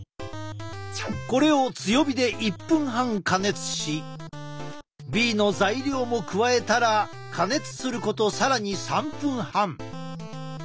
これを強火で１分半加熱しＢの材料も加えたら加熱すること更に３分半。